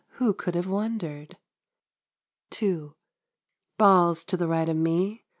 Who could have wondered ? II. Balls to the right of me !